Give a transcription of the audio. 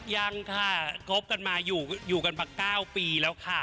ยังค่ะคบกันมาอยู่กันมา๙ปีแล้วค่ะ